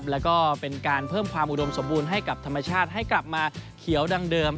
แล้วก็เป็นการเพิ่มความอุดมสมบูรณ์ให้กับธรรมชาติให้กลับมาเขียวดังเดิม